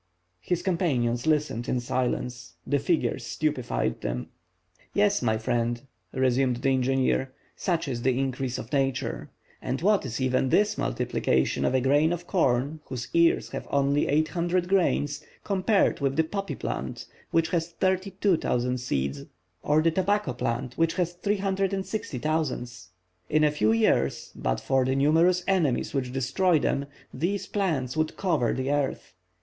His companions listened in silence. The figures stupefied them. "Yes, my friend," resumed the engineer. "Such is the increase of Nature. And what is even this multiplication of a grain of corn whose ears have only 800 grains, compared with the poppy plant, which has 32,000 seeds, or the tobacco plant, which has 360,000? In a few years, but for the numerous enemies which destroy them, these plants would cover the earth.